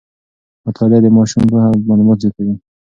مطالعه د ماشوم پوهه او معلومات زیاتوي.